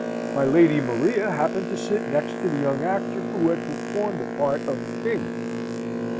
My Lady Maria happened to sit next to the young actor who had performed the part of the King.